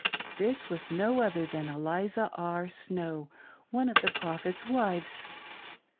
This was no other than Eliza R. Snow, one of the Prophet's wives.